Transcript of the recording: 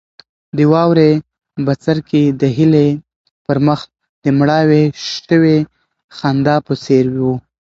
د واورې بڅرکي د هیلې پر مخ د مړاوې شوې خندا په څېر وو.